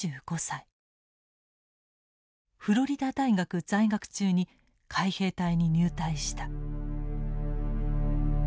フロリダ大学在学中に海兵隊に入隊した。